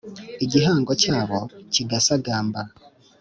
Igihango cyabo kigasagamba.